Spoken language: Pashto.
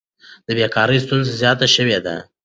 د بیکارۍ ستونزه زیاته شوې ده.